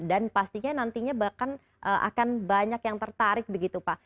pastinya nantinya bahkan akan banyak yang tertarik begitu pak